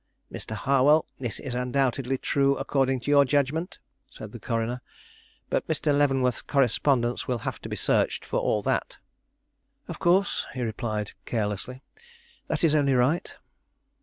"Mr. Harwell, this is undoubtedly true according to your judgment," said the coroner; "but Mr. Leavenworth's correspondence will have to be searched for all that." "Of course," he replied carelessly; "that is only right."